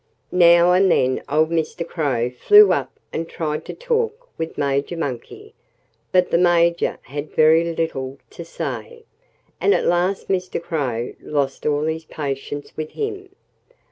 Now and then old Mr. Crow flew up and tried to talk with Major Monkey. But the Major had very little to say. And at last Mr. Crow lost all patience with him.